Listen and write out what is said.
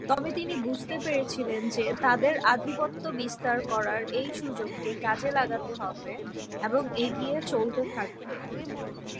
তবে তিনি বুঝতে পেরেছিলেন যে তাদের আধিপত্য বিস্তার করার এই সুযোগটি কাজে লাগাতে হবে এবং এগিয়ে চলতে থাকবে।